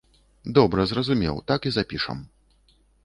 Добра, зразумеў, так і запішам.